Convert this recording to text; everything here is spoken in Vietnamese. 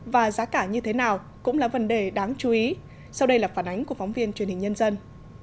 và giá cả như thế nào cũng là vấn đề đáng chú ý sau đây là phản ánh của phóng viên truyền hình nhân dân